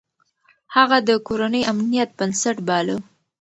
هغه د کورنۍ امنيت بنسټ باله.